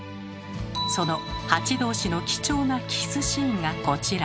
そのハチ同士の貴重なキスシーンがこちら。